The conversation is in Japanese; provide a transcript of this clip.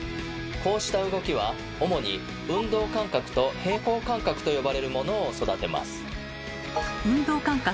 こうした動きは主に運動感覚と平衡感覚と呼ばれるものを育てます。